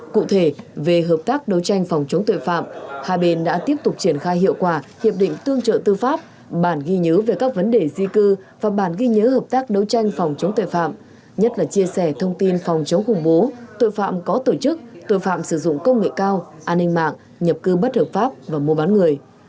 cụ thể về hợp tác đấu tranh phòng chống tội phạm hai bên đã tiếp tục triển khai hiệu quả hiệp định tương trợ tư pháp bản ghi nhớ về các vấn đề di cư và bản ghi nhớ hợp tác đấu tranh phòng chống tội phạm nhất là chia sẻ thông tin phòng chống khủng bố tội phạm có tổ chức tội phạm sử dụng công nghệ cao an ninh mạng nhập cư bất hợp pháp và mua bán người